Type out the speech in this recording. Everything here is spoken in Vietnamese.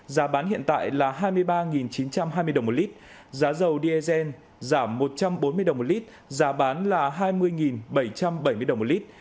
giá bán hiện tại là hai mươi ba chín trăm hai mươi đồng một lít giá dầu diesel giảm một trăm bốn mươi đồng một lít giá bán là hai mươi bảy trăm bảy mươi đồng một lít